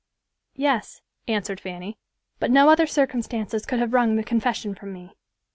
"Yes," answered Fanny, "but no other circumstances could have wrung the confession from me.